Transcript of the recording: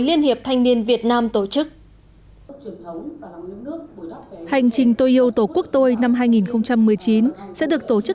liên hiệp thanh niên việt nam tổ chức hành trình tôi yêu tổ quốc tôi năm hai nghìn một mươi chín sẽ được tổ chức